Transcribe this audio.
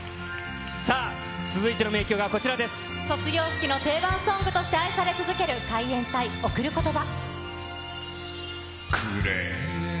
さあ、続いての卒業式の定番ソングとして愛され続ける海援隊、贈る言葉。